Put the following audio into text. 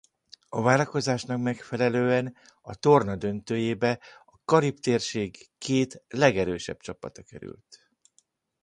A várakozásnak megfelelően a torna döntőjébe a karib-térség két legerősebb csapata került.